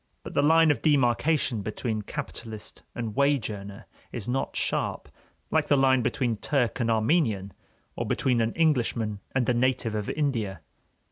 But the line of demarcation between capitalist and wage earner is not sharp, like the line between Turk and Armenian, or between an Englishman and a native of India.